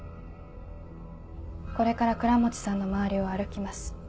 これから倉持さんの周りを歩きます。